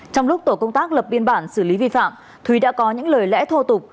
trong lúc tổ công tác lập biên bản xử lý vi phạm thúy đã có những lời lẽ thô tục